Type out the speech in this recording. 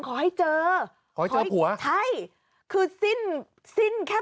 การนอนไม่จำเป็นต้องมีอะไรกัน